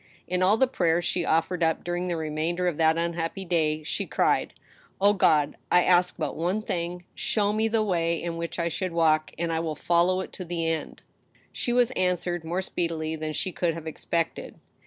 In all the prayers she offered up during the remainder of that unhappy day, she cried :" O God ! I ask but one thing : show me the way in which I should walk, and I will follow it to the end !" She was answered more speedily than she could have expected.